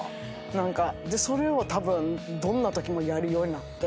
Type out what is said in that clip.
それをたぶんどんなときもやるようになって。